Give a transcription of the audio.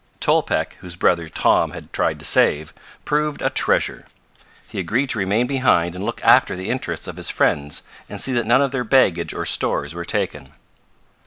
Tolpec, whose brother Tom had tried to save, proved a treasure. He agreed to remain behind and look after the interests of his friends, and see that none of their baggage or stores were taken.